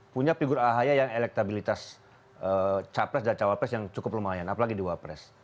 punya figur ahaya yang elektabilitas capres dan cawapres yang cukup lumayan apalagi di wapres